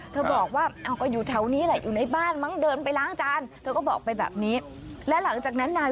เธอบอกว่าเอ้าก็อยู่แถวนี้แหละอยู่ในบ้านมั้งเดินไปล้างจาน